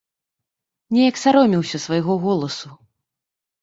Неяк саромеўся свайго голасу.